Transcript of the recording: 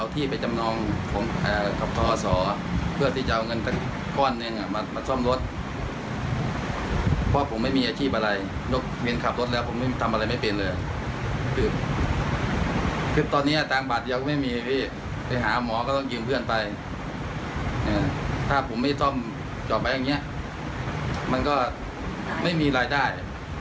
ตอนนี้ซ่อมต่อไปอย่างนี้มันก็ไม่มีรายได้